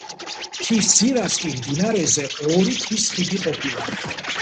მთის ძირას კი მდინარეზე ორი ქვის ხიდი ყოფილა.